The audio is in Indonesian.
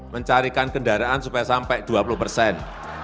mencarikan kendaraan supaya sampai dua puluh persen